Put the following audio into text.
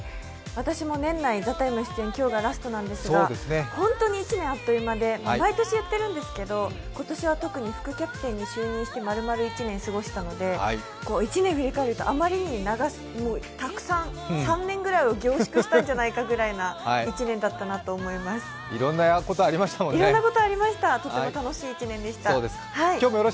私も年内、「ＴＨＥＴＩＭＥ，」出演、今日がラストなんですが本当に１年、あっという間で、毎年言ってるんですけど今年は特に副キャプテンに就任してまるまる１年過ごしたので、１年を振り返るとあまりにたくさん３年ぐらいを凝縮したんじゃないかぐらいの１年でした。